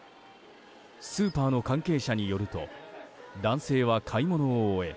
スーパーの関係者によると男性は買い物を終え